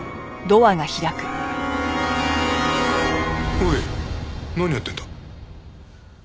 おい何やってんだ？